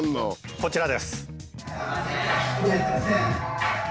こちらです。